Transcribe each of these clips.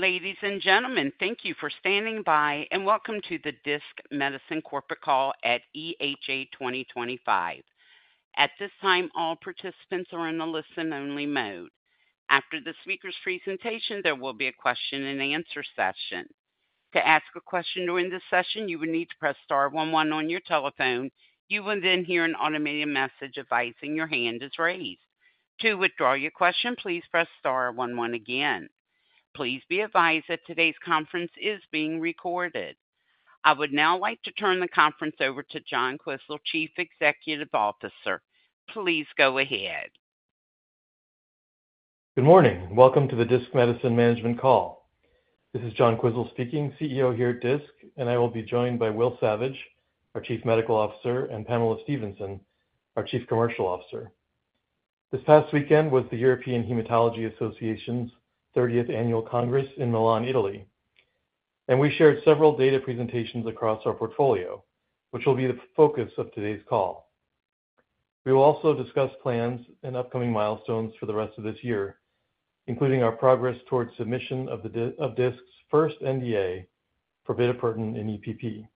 Ladies and gentlemen, thank you for standing by, and welcome to the Disc Medicine corporate call at EHA 2025. At this time, all participants are in a listen-only mode. After the speaker's presentation, there will be a question-and-answer session. To ask a question during this session, you will need to press star 11 on your telephone. You will then hear an automated message advising your hand is raised. To withdraw your question, please press star 11 again. Please be advised that today's conference is being recorded. I would now like to turn the conference over to John Quisel, Chief Executive Officer. Please go ahead. Good morning. Welcome to the Disc Medicine management call. This is John Quisel speaking, CEO here at Disc, and I will be joined by Will Savage, our Chief Medical Officer, and Pamela Stephenson, our Chief Commercial Officer. This past weekend was the European Hematology Association's 30th Annual Congress in Milan, Italy, and we shared several data presentations across our portfolio, which will be the focus of today's call. We will also discuss plans and upcoming milestones for the rest of this year, including our progress towards submission of Disc's first NDA for bitopertin in EPP.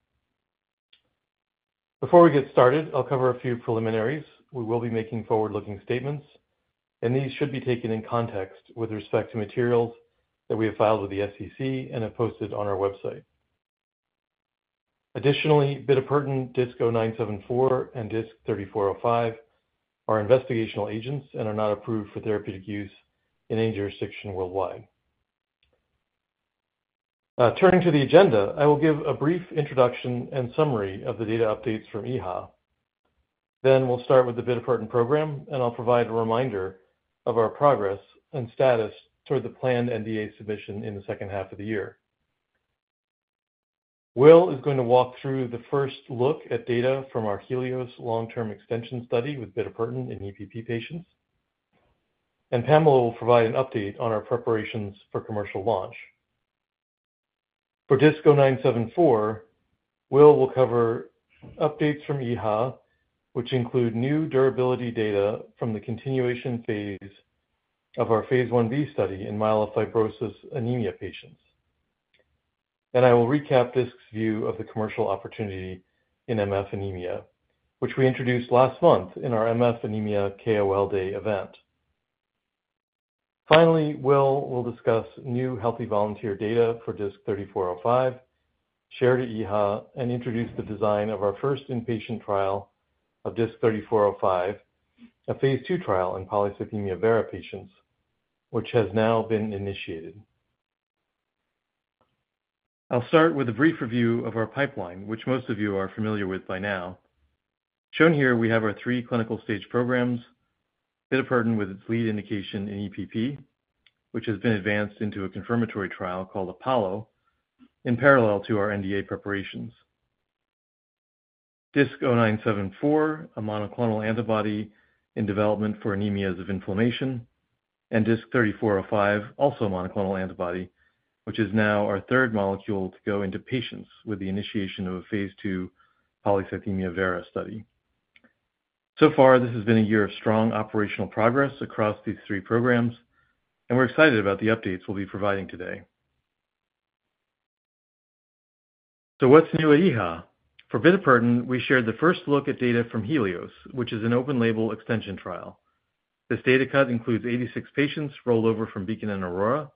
Before we get started, I'll cover a few preliminaries. We will be making forward-looking statements, and these should be taken in context with respect to materials that we have filed with the SEC and have posted on our website. Additionally, bitopertin, DISC-0974, and DISC-3405 are investigational agents and are not approved for therapeutic use in any jurisdiction worldwide. Turning to the agenda, I will give a brief introduction and summary of the data updates from EHA. Then we'll start with the bitopertin program, and I'll provide a reminder of our progress and status toward the planned NDA submission in the second half of the year. Will is going to walk through the first look at data from our Helios long-term extension study with bitopertin in EPP patients, and Pamela will provide an update on our preparations for commercial launch. For DISC-0974, Will will cover updates from EHA, which include new durability data from the continuation phase of our phase 1b study in myelofibrosis anemia patients. I will recap Disc's view of the commercial opportunity in MF anemia, which we introduced last month in our MF anemia KOL Day event. Finally, Will will discuss new healthy volunteer data for DISC-3405, shared at EHA, and introduce the design of our first inpatient trial of DISC-3405, a phase 2 trial in polycythemia vera patients, which has now been initiated. I'll start with a brief review of our pipeline, which most of you are familiar with by now. Shown here, we have our three clinical stage programs, bitopertin with its lead indication in EPP, which has been advanced into a confirmatory trial called Apollo in parallel to our NDA preparations. DISC-0974, a monoclonal antibody in development for anemias of inflammation, and DISC-3405, also a monoclonal antibody, which is now our third molecule to go into patients with the initiation of a phase 2 polycythemia vera study. So far, this has been a year of strong operational progress across these three programs, and we're excited about the updates we'll be providing today. What's new at EHA? For bitopertin, we shared the first look at data from Helios, which is an open-label extension trial. This data cut includes 86 patients rolled over from Beacon and Aurora,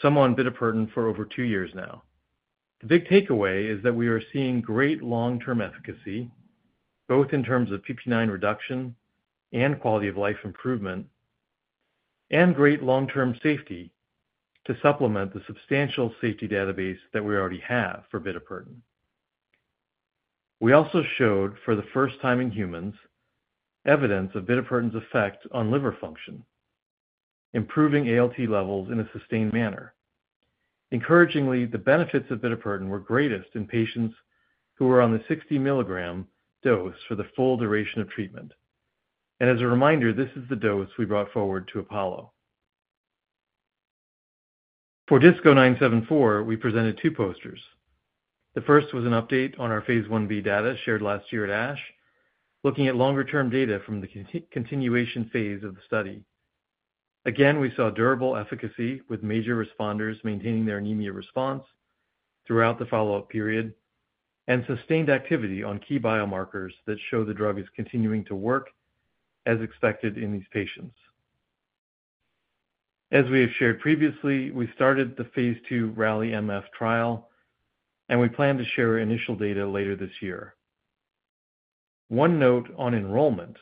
some on bitopertin for over two years now. The big takeaway is that we are seeing great long-term efficacy, both in terms of protoporphyrin IX reduction and quality of life improvement, and great long-term safety to supplement the substantial safety database that we already have for bitopertin. We also showed, for the first time in humans, evidence of bitopertin's effect on liver function, improving ALT levels in a sustained manner. Encouragingly, the benefits of bitopertin were greatest in patients who were on the 60 mg dose for the full duration of treatment. As a reminder, this is the dose we brought forward to Apollo. For DISC-0974, we presented two posters. The first was an update on our phase 1b data shared last year at ASH, looking at longer-term data from the continuation phase of the study. Again, we saw durable efficacy with major responders maintaining their anemia response throughout the follow-up period and sustained activity on key biomarkers that show the drug is continuing to work as expected in these patients. As we have shared previously, we started the phase 2 RALI-MF trial, and we plan to share initial data later this year. One note on enrollment: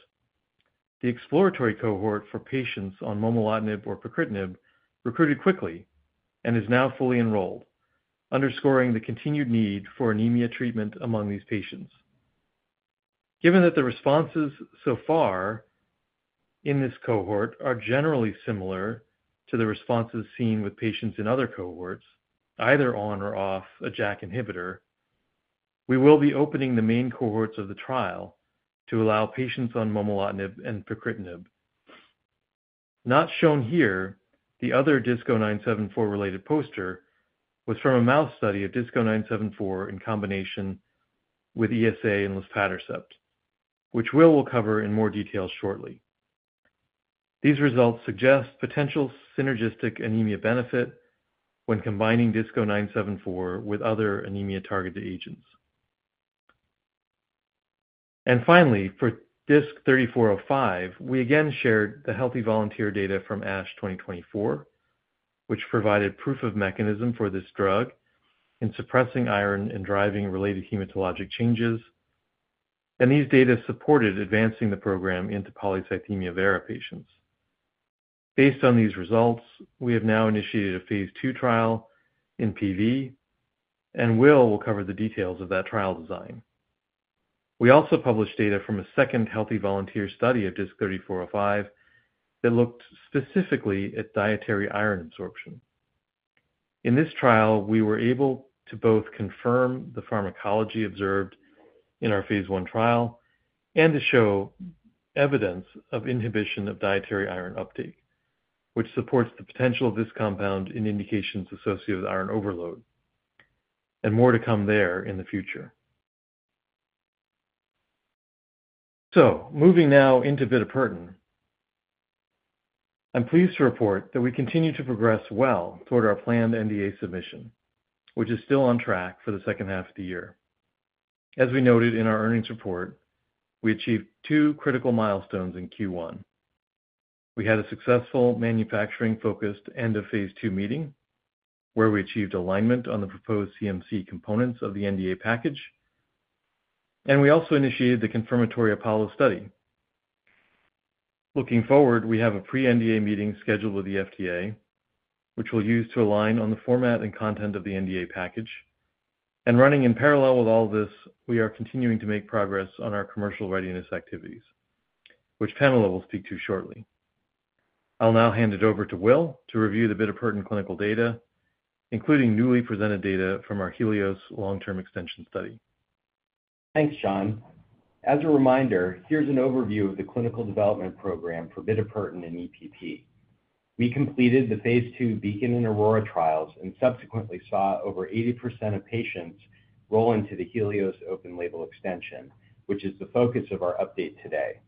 the exploratory cohort for patients on momelotinib or pacritinib recruited quickly and is now fully enrolled, underscoring the continued need for anemia treatment among these patients. Given that the responses so far in this cohort are generally similar to the responses seen with patients in other cohorts, either on or off a JAK inhibitor, we will be opening the main cohorts of the trial to allow patients on momelotinib and pacritinib. Not shown here, the other DISC-0974-related poster was from a mouse study of DISC-0974 in combination with ESA and luspatercept, which Will will cover in more detail shortly. These results suggest potential synergistic anemia benefit when combining DISC-0974 with other anemia-targeted agents. Finally, for DISC-3405, we again shared the healthy volunteer data from ASH 2024, which provided proof of mechanism for this drug in suppressing iron and driving related hematologic changes. These data supported advancing the program into polycythemia vera patients. Based on these results, we have now initiated a phase 2 trial in PV, and Will will cover the details of that trial design. We also published data from a second healthy volunteer study of DISC-3405 that looked specifically at dietary iron absorption. In this trial, we were able to both confirm the pharmacology observed in our phase 1 trial and to show evidence of inhibition of dietary iron uptake, which supports the potential of this compound in indications associated with iron overload, and more to come there in the future. Moving now into bitopertin, I'm pleased to report that we continue to progress well toward our planned NDA submission, which is still on track for the second half of the year. As we noted in our earnings report, we achieved two critical milestones in Q1. We had a successful manufacturing-focused end-of-phase 2 meeting where we achieved alignment on the proposed CMC components of the NDA package, and we also initiated the confirmatory Apollo study. Looking forward, we have a pre-NDA meeting scheduled with the FDA, which we'll use to align on the format and content of the NDA package. Running in parallel with all this, we are continuing to make progress on our commercial readiness activities, which Pamela will speak to shortly. I'll now hand it over to Will to review the bitopertin clinical data, including newly presented data from our Helios long-term extension study. Thanks, John. As a reminder, here's an overview of the clinical development program for bitopertin in EPP. We completed the phase 2 Beacon and Aurora trials and subsequently saw over 80% of patients roll into the Helios open-label extension, which is the focus of our update today.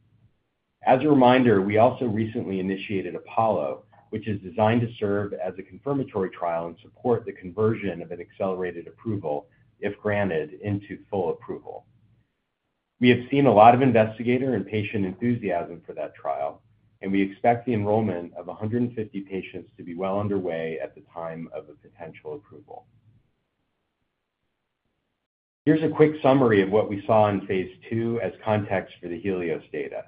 As a reminder, we also recently initiated Apollo, which is designed to serve as a confirmatory trial and support the conversion of an accelerated approval, if granted, into full approval. We have seen a lot of investigator and patient enthusiasm for that trial, and we expect the enrollment of 150 patients to be well underway at the time of a potential approval. Here's a quick summary of what we saw in phase 2 as context for the Helios data.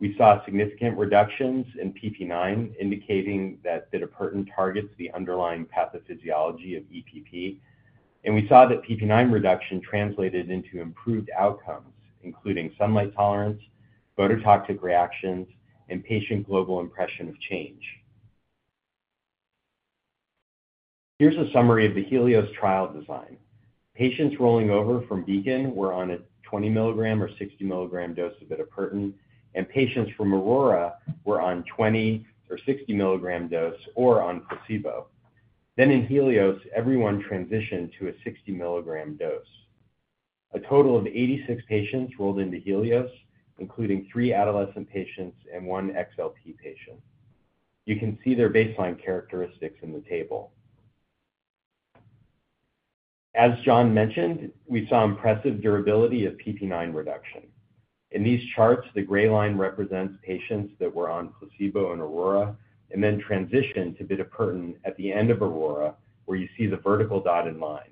We saw significant reductions in PP9, indicating that bitopertin targets the underlying pathophysiology of EPP, and we saw that PP9 reduction translated into improved outcomes, including sunlight tolerance, phototoxic reactions, and patient global impression of change. Here's a summary of the Helios trial design. Patients rolling over from Beacon were on a 20 mg or 60 mg dose of bitopertin, and patients from Aurora were on 20 or 60 mg dose or on placebo. In Helios, everyone transitioned to a 60 mg dose. A total of 86 patients rolled into Helios, including three adolescent patients and one XLP patient. You can see their baseline characteristics in the table. As John mentioned, we saw impressive durability of PP9 reduction. In these charts, the gray line represents patients that were on placebo in Aurora and then transitioned to bitopertin at the end of Aurora, where you see the vertical dotted line.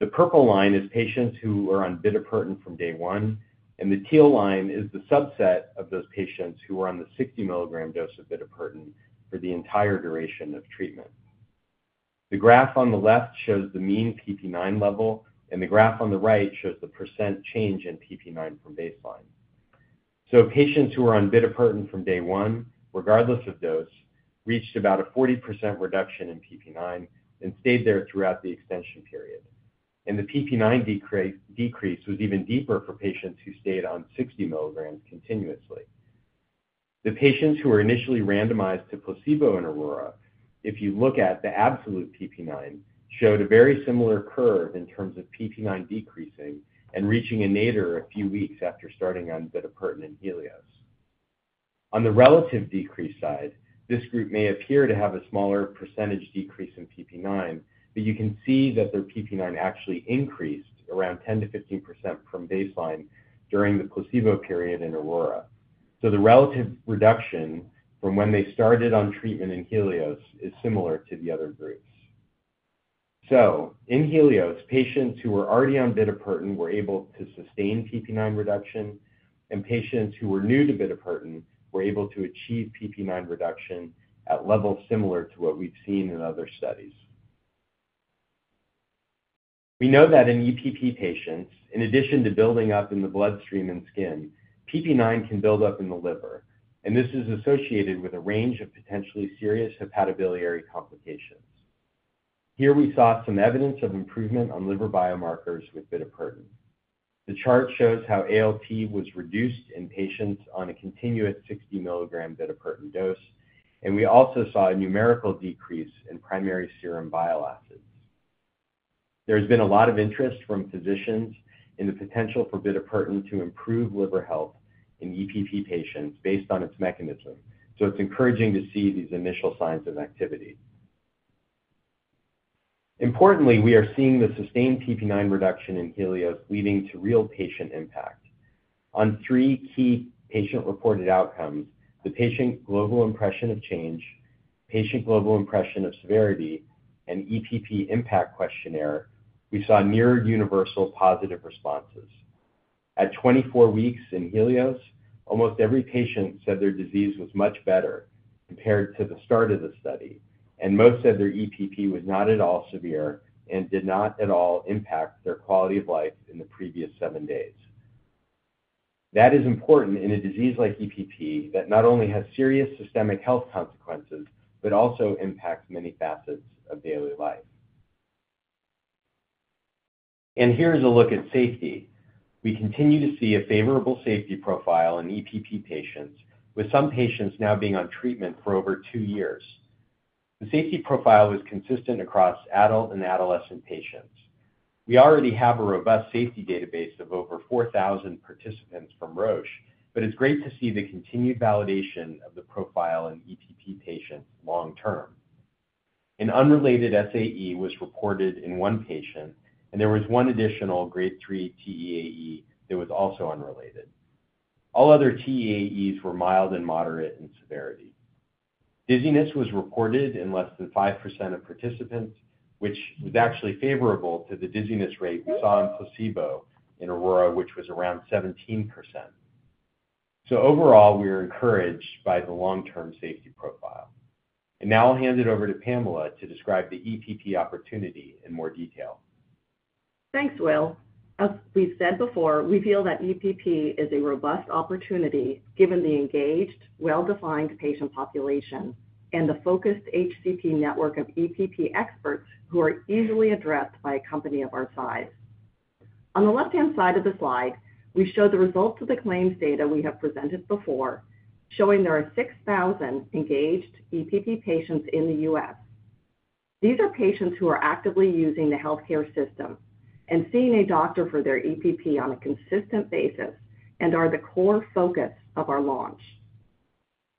The purple line is patients who were on bitopertin from day one, and the teal line is the subset of those patients who were on the 60 milligram dose of bitopertin for the entire duration of treatment. The graph on the left shows the mean PP9 level, and the graph on the right shows the % change in PP9 from baseline. Patients who were on bitopertin from day one, regardless of dose, reached about a 40% reduction in PP9 and stayed there throughout the extension period. The PP9 decrease was even deeper for patients who stayed on 60 milligrams continuously. The patients who were initially randomized to placebo in Aurora, if you look at the absolute PP9, showed a very similar curve in terms of PP9 decreasing and reaching a nadir a few weeks after starting on bitopertin in Helios. On the relative decrease side, this group may appear to have a smaller % decrease in PP9, but you can see that their PP9 actually increased around 10-15% from baseline during the placebo period in Aurora. The relative reduction from when they started on treatment in Helios is similar to the other groups. In Helios, patients who were already on bitopertin were able to sustain PP9 reduction, and patients who were new to bitopertin were able to achieve PP9 reduction at levels similar to what we've seen in other studies. We know that in EPP patients, in addition to building up in the bloodstream and skin, PP9 can build up in the liver, and this is associated with a range of potentially serious hepatobiliary complications. Here we saw some evidence of improvement on liver biomarkers with bitopertin. The chart shows how ALT was reduced in patients on a continuous 60 mg bitopertin dose, and we also saw a numerical decrease in primary serum bile acids. There has been a lot of interest from physicians in the potential for bitopertin to improve liver health in EPP patients based on its mechanism, so it's encouraging to see these initial signs of activity. Importantly, we are seeing the sustained PP9 reduction in Helios leading to real patient impact. On three key patient-reported outcomes, the patient global impression of change, patient global impression of severity, and EPP impact questionnaire, we saw near-universal positive responses. At 24 weeks in Helios, almost every patient said their disease was much better compared to the start of the study, and most said their EPP was not at all severe and did not at all impact their quality of life in the previous seven days. That is important in a disease like EPP that not only has serious systemic health consequences but also impacts many facets of daily life. Here is a look at safety. We continue to see a favorable safety profile in EPP patients, with some patients now being on treatment for over two years. The safety profile was consistent across adult and adolescent patients. We already have a robust safety database of over 4,000 participants from Roche, but it is great to see the continued validation of the profile in EPP patients long-term. An unrelated SAE was reported in one patient, and there was one additional grade 3 TEAE that was also unrelated. All other TEAEs were mild and moderate in severity. Dizziness was reported in less than 5% of participants, which was actually favorable to the dizziness rate we saw in placebo in Aurora, which was around 17%. Overall, we are encouraged by the long-term safety profile. Now I'll hand it over to Pamela to describe the EPP opportunity in more detail. Thanks, Will. As we've said before, we feel that EPP is a robust opportunity given the engaged, well-defined patient population and the focused HCP network of EPP experts who are easily addressed by a company of our size. On the left-hand side of the slide, we show the results of the claims data we have presented before, showing there are 6,000 engaged EPP patients in the U.S. These are patients who are actively using the healthcare system and seeing a doctor for their EPP on a consistent basis and are the core focus of our launch.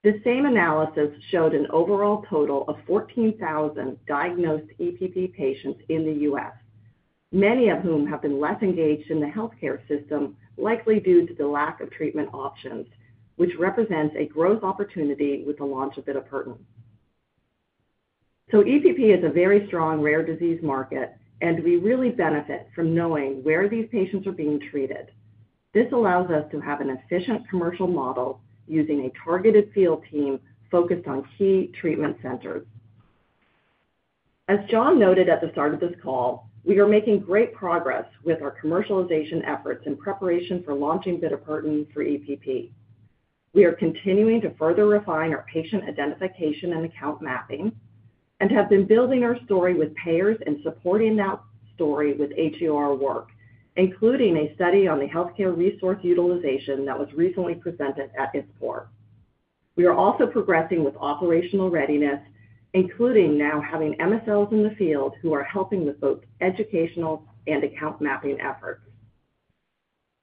This same analysis showed an overall total of 14,000 diagnosed EPP patients in the U.S., many of whom have been less engaged in the healthcare system, likely due to the lack of treatment options, which represents a growth opportunity with the launch of bitopertin. EPP is a very strong rare disease market, and we really benefit from knowing where these patients are being treated. This allows us to have an efficient commercial model using a targeted field team focused on key treatment centers. As John noted at the start of this call, we are making great progress with our commercialization efforts in preparation for launching bitopertin for EPP. We are continuing to further refine our patient identification and account mapping and have been building our story with payers and supporting that story with HEOR work, including a study on the healthcare resource utilization that was recently presented at EHA. We are also progressing with operational readiness, including now having MSLs in the field who are helping with both educational and account mapping efforts.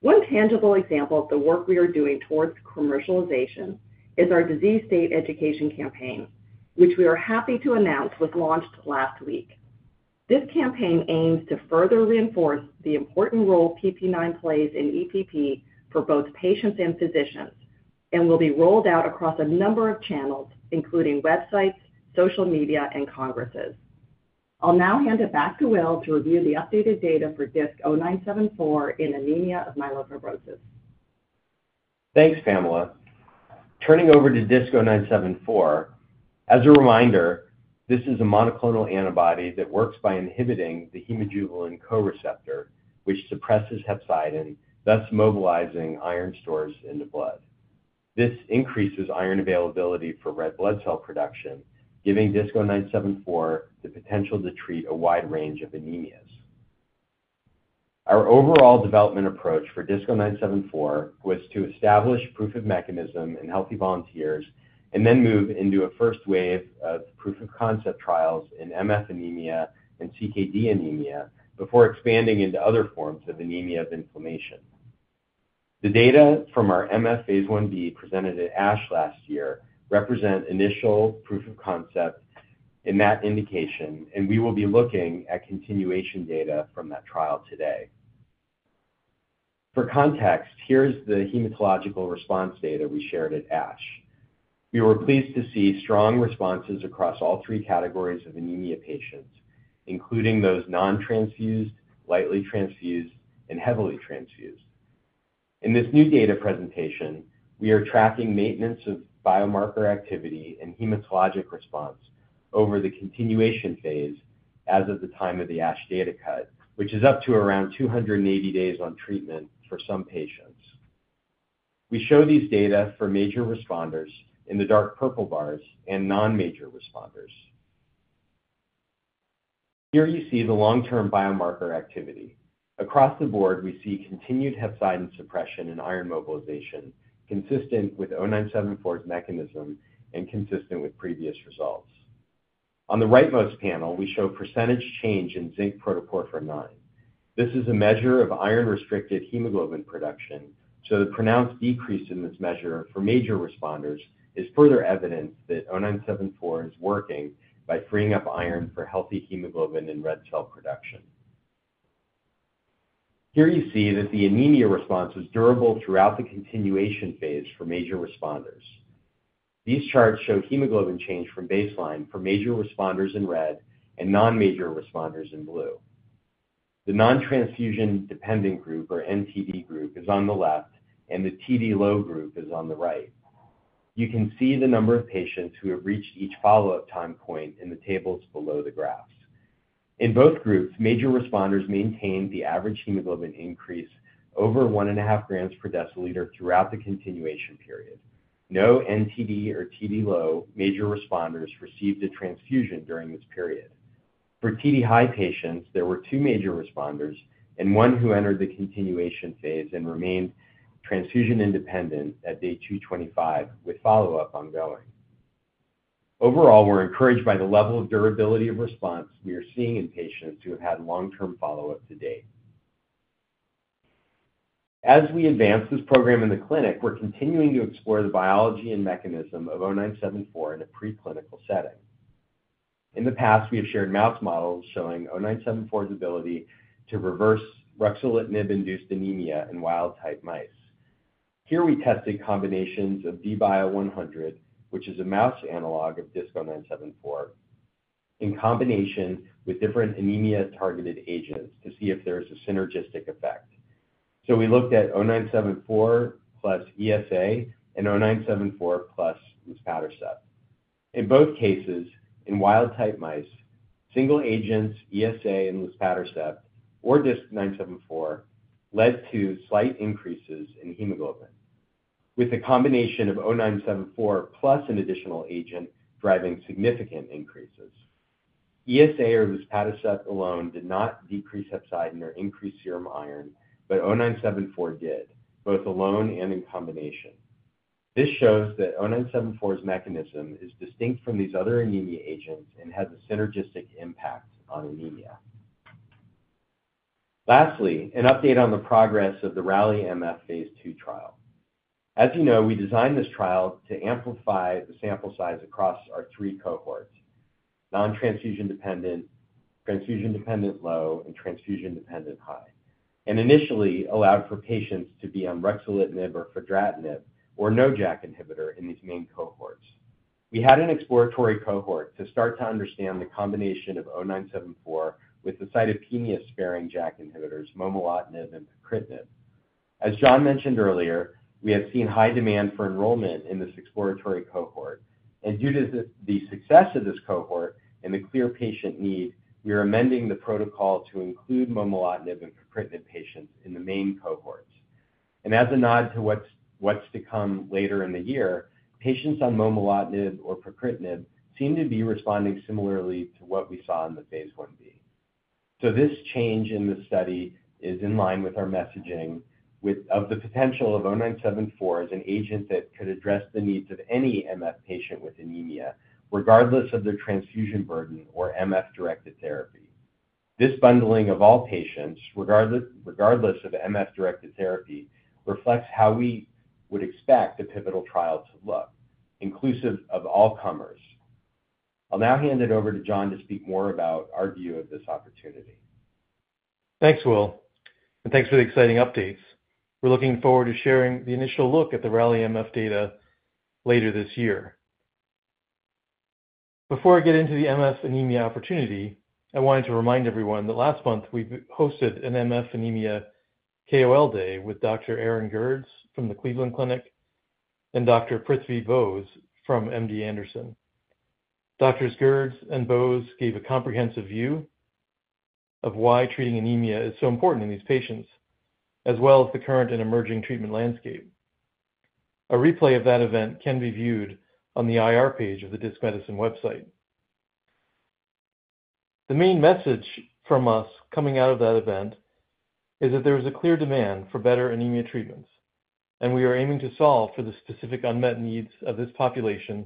One tangible example of the work we are doing towards commercialization is our disease state education campaign, which we are happy to announce was launched last week. This campaign aims to further reinforce the important role PP9 plays in EPP for both patients and physicians and will be rolled out across a number of channels, including websites, social media, and congresses. I'll now hand it back to Will to review the updated data for DISC-0974 in anemia of myelofibrosis. Thanks, Pamela. Turning over to DISC-0974. As a reminder, this is a monoclonal antibody that works by inhibiting the hemojuvelin co-receptor, which suppresses hepcidin, thus mobilizing iron stores in the blood. This increases iron availability for red blood cell production, giving DISC-0974 the potential to treat a wide range of anemias. Our overall development approach for DISC-0974 was to establish proof of mechanism in healthy volunteers and then move into a first wave of proof of concept trials in myelofibrosis anemia and chronic kidney disease anemia before expanding into other forms of anemia of inflammation. The data from our myelofibrosis phase 1b presented at ASH last year represent initial proof of concept in that indication, and we will be looking at continuation data from that trial today. For context, here is the hematological response data we shared at ASH. We were pleased to see strong responses across all three categories of anemia patients, including those non-transfused, lightly transfused, and heavily transfused. In this new data presentation, we are tracking maintenance of biomarker activity and hematologic response over the continuation phase as of the time of the ASH data cut, which is up to around 280 days on treatment for some patients. We show these data for major responders in the dark purple bars and non-major responders. Here you see the long-term biomarker activity. Across the board, we see continued hepcidin suppression and iron mobilization consistent with 0974's mechanism and consistent with previous results. On the rightmost panel, we show percentage change in zinc protoporphyrin 9. This is a measure of iron-restricted hemoglobin production, so the pronounced decrease in this measure for major responders is further evidence that 0974 is working by freeing up iron for healthy hemoglobin and red cell production. Here you see that the anemia response was durable throughout the continuation phase for major responders. These charts show hemoglobin change from baseline for major responders in red and non-major responders in blue. The non-transfusion dependent group, or NTD group, is on the left, and the TD low group is on the right. You can see the number of patients who have reached each follow-up time point in the tables below the graphs. In both groups, major responders maintained the average hemoglobin increase over 1.5 grams per deciliter throughout the continuation period. No NTD or TD low major responders received a transfusion during this period. For TD high patients, there were two major responders and one who entered the continuation phase and remained transfusion independent at day 225 with follow-up ongoing. Overall, we're encouraged by the level of durability of response we are seeing in patients who have had long-term follow-up to date. As we advance this program in the clinic, we're continuing to explore the biology and mechanism of 0974 in a preclinical setting. In the past, we have shared mouse models showing 0974's ability to reverse ruxolitinib-induced anemia in wild-type mice. Here we tested combinations of DBIO-100, which is a mouse analog of DISC-0974, in combination with different anemia-targeted agents to see if there is a synergistic effect. We looked at 0974 plus ESA and 0974 plus luspatercept. In both cases, in wild-type mice, single agents, ESA and luspatercept, or DISC-0974, led to slight increases in hemoglobin, with a combination of 0974 plus an additional agent driving significant increases. ESA or luspatercept alone did not decrease hepcidin or increase serum iron, but 0974 did, both alone and in combination. This shows that 0974's mechanism is distinct from these other anemia agents and has a synergistic impact on anemia. Lastly, an update on the progress of the RALI-MF phase 2 trial. As you know, we designed this trial to amplify the sample size across our three cohorts: non-transfusion dependent, transfusion dependent low, and transfusion dependent high, and initially allowed for patients to be on ruxolitinib or fedratinib or no JAK inhibitor in these main cohorts. We had an exploratory cohort to start to understand the combination of 0974 with the cytopenia-sparing JAK inhibitors, momelotinib and pacritinib. As John mentioned earlier, we have seen high demand for enrollment in this exploratory cohort, and due to the success of this cohort and the clear patient need, we are amending the protocol to include momelotinib and pacritinib patients in the main cohorts. As a nod to what's to come later in the year, patients on momelotinib or pacritinib seem to be responding similarly to what we saw in the phase 1b. This change in the study is in line with our messaging of the potential of 0974 as an agent that could address the needs of any MF patient with anemia, regardless of their transfusion burden or MF-directed therapy. This bundling of all patients, regardless of MF-directed therapy, reflects how we would expect a pivotal trial to look, inclusive of all comers. I'll now hand it over to John to speak more about our view of this opportunity. Thanks, Will, and thanks for the exciting updates. We're looking forward to sharing the initial look at the RALI-MF data later this year. Before I get into the MF anemia opportunity, I wanted to remind everyone that last month we hosted an MF anemia KOL day with Dr. Aaron Gerds from the Cleveland Clinic and Dr. Prithvi Bose from MD Anderson. Doctors Gerds and Bose gave a comprehensive view of why treating anemia is so important in these patients, as well as the current and emerging treatment landscape. A replay of that event can be viewed on the IR page of the Disc Medicine website. The main message from us coming out of that event is that there is a clear demand for better anemia treatments, and we are aiming to solve for the specific unmet needs of this population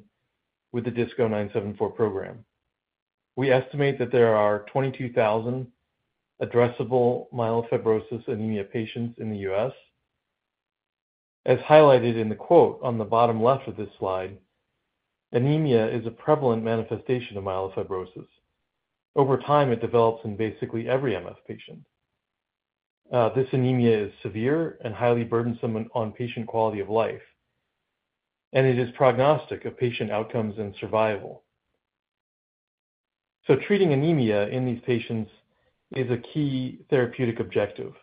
with the DISC-0974 program. We estimate that there are 22,000 addressable myelofibrosis anemia patients in the US. As highlighted in the quote on the bottom left of this slide, anemia is a prevalent manifestation of myelofibrosis. Over time, it develops in basically every MF patient. This anemia is severe and highly burdensome on patient quality of life, and it is prognostic of patient outcomes and survival. Treating anemia in these patients is a key therapeutic objective.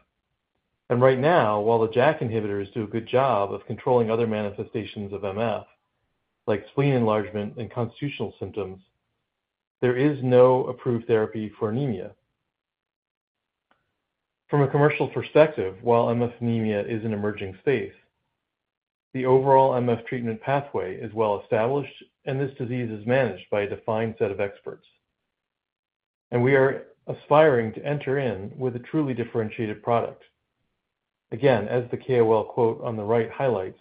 Right now, while the JAK inhibitors do a good job of controlling other manifestations of MF, like spleen enlargement and constitutional symptoms, there is no approved therapy for anemia. From a commercial perspective, while MF anemia is an emerging space, the overall MF treatment pathway is well established, and this disease is managed by a defined set of experts. We are aspiring to enter in with a truly differentiated product. Again, as the KOL quote on the right highlights,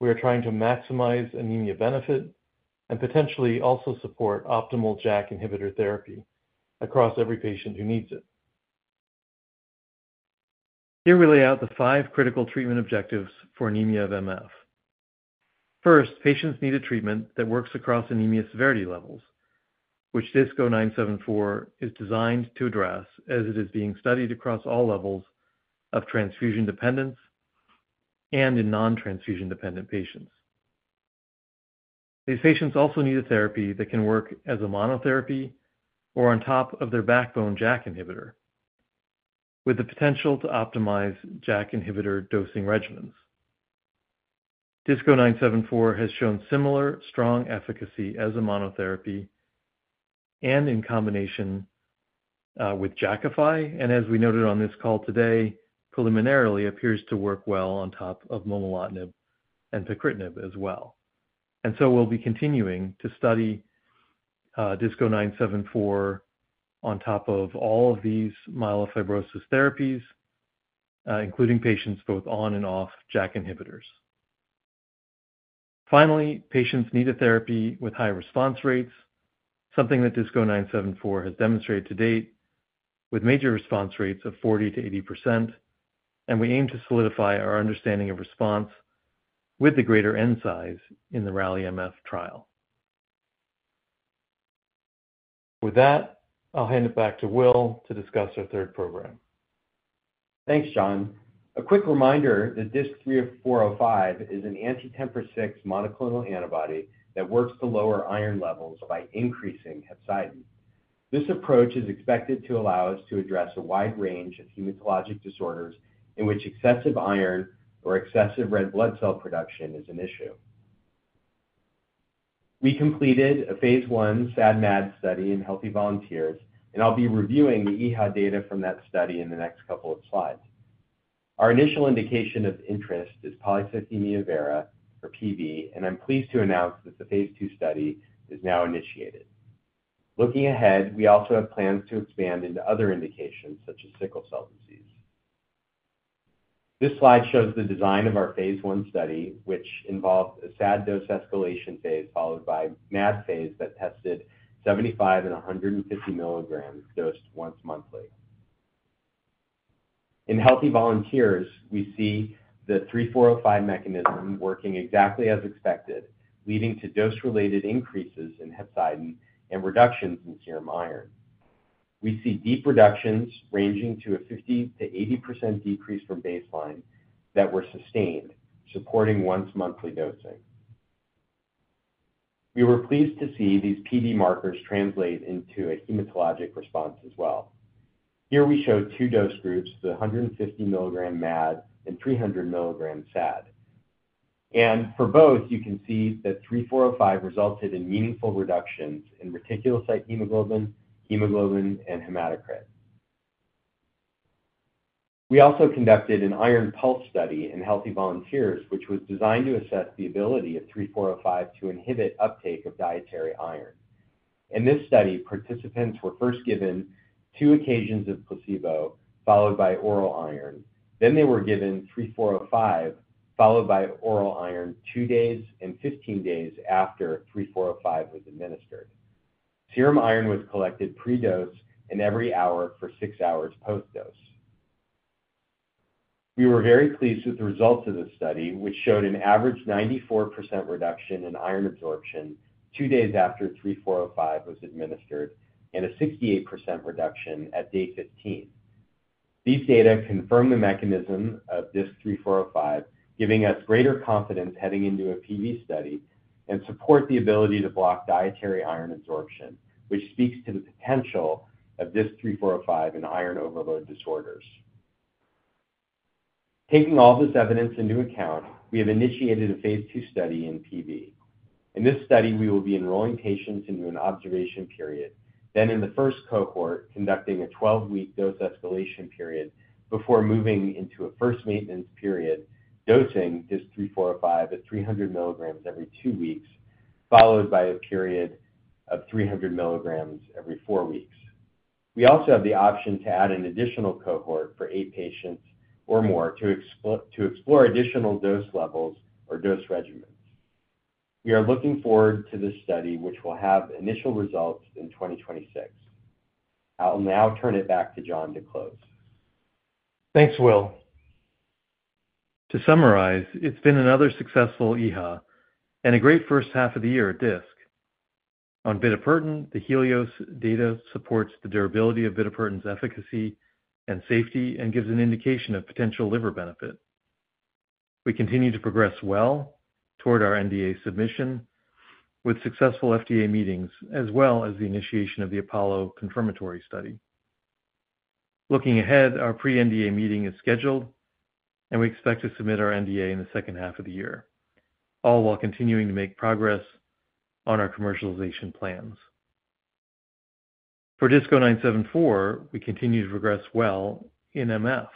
we are trying to maximize anemia benefit and potentially also support optimal JAK inhibitor therapy across every patient who needs it. Here we lay out the five critical treatment objectives for anemia of MF. First, patients need a treatment that works across anemia severity levels, which DISC-0974 is designed to address as it is being studied across all levels of transfusion dependence and in non-transfusion dependent patients. These patients also need a therapy that can work as a monotherapy or on top of their backbone JAK inhibitor, with the potential to optimize JAK inhibitor dosing regimens. DISC-0974 has shown similar strong efficacy as a monotherapy and in combination with Jakafi, and as we noted on this call today, preliminarily appears to work well on top of momelotinib and pacritinib as well. We will be continuing to study DISC-0974 on top of all of these myelofibrosis therapies, including patients both on and off JAK inhibitors. Finally, patients need a therapy with high response rates, something that DISC-0974 has demonstrated to date with major response rates of 40-80%, and we aim to solidify our understanding of response with the greater end size in the RALI-MF trial. With that, I'll hand it back to Will to discuss our third program. Thanks, John. A quick reminder that DISC-3405 is an anti-TMPRSS6 monoclonal antibody that works to lower iron levels by increasing hepcidin. This approach is expected to allow us to address a wide range of hematologic disorders in which excessive iron or excessive red blood cell production is an issue. We completed a phase 1 SAD/MAD study in healthy volunteers, and I'll be reviewing the EHA data from that study in the next couple of slides. Our initial indication of interest is polycythemia vera, or PV, and I'm pleased to announce that the phase 2 study is now initiated. Looking ahead, we also have plans to expand into other indications, such as sickle cell disease. This slide shows the design of our phase 1 study, which involved a SAD dose escalation phase followed by a MAD phase that tested 75 and 150 milligrams dosed once monthly. In healthy volunteers, we see the 3405 mechanism working exactly as expected, leading to dose-related increases in hepcidin and reductions in serum iron. We see deep reductions ranging to a 50-80% decrease from baseline that were sustained, supporting once-monthly dosing. We were pleased to see these PD markers translate into a hematologic response as well. Here we show two dose groups, the 150 milligram MAD and 300 milligram SAD. For both, you can see that 3405 resulted in meaningful reductions in reticulocyte hemoglobin, hemoglobin, and hematocrit. We also conducted an iron pulse study in healthy volunteers, which was designed to assess the ability of 3405 to inhibit uptake of dietary iron. In this study, participants were first given two occasions of placebo, followed by oral iron. They were given 3405, followed by oral iron two days and 15 days after 3405 was administered. Serum iron was collected pre-dose and every hour for six hours post-dose. We were very pleased with the results of this study, which showed an average 94% reduction in iron absorption two days after 3405 was administered and a 68% reduction at day 15. These data confirm the mechanism of DISC-3405, giving us greater confidence heading into a PV study and support the ability to block dietary iron absorption, which speaks to the potential of DISC-3405 in iron overload disorders. Taking all this evidence into account, we have initiated a phase 2 study in PV. In this study, we will be enrolling patients into an observation period, then in the first cohort, conducting a 12-week dose escalation period before moving into a first maintenance period, dosing DISC-3405 at 300 milligrams every two weeks, followed by a period of 300 milligrams every four weeks. We also have the option to add an additional cohort for eight patients or more to explore additional dose levels or dose regimens. We are looking forward to this study, which will have initial results in 2026. I'll now turn it back to John to close. Thanks, Will. To summarize, it's been another successful EHA and a great first half of the year at Disc. On bitopertin, the Helios data supports the durability of bitopertin's efficacy and safety and gives an indication of potential liver benefit. We continue to progress well toward our NDA submission with successful FDA meetings, as well as the initiation of the Apollo confirmatory study. Looking ahead, our pre-NDA meeting is scheduled, and we expect to submit our NDA in the second half of the year, all while continuing to make progress on our commercialization plans. For DISC-0974, we continue to progress well in MF.